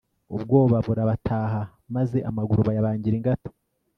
ubwoba burabataha, maze amaguru bayabangira ingata